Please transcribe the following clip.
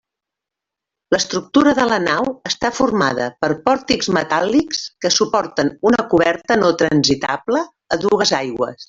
L'estructura de la nau està formada per pòrtics metàl·lics que suporten una coberta no transitable a dues aigües.